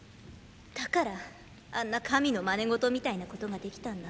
だからあんな神のマネゴトみたいなことができたんだ。